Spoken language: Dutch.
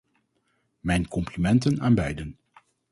Mijn complimenten aan beiden.